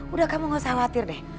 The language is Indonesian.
udah kamu gak usah khawatir deh